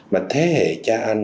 mà thế hệ cha anh